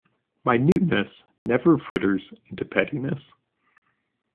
Minuteness never fritters into pettiness.